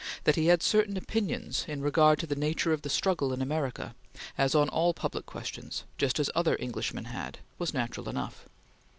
That he had certain opinions in regard to the nature of the struggle in America, as on all public questions, just as other Englishmen had, was natural enough.